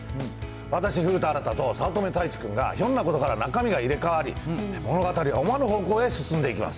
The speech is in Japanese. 私、古田新太と早乙女太一君がひょんなことから中身が入れかわり、物語は思わぬ方向へ進んでいきます。